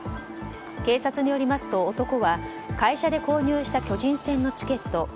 警察によりますと、男は会社で購入した巨人戦のチケット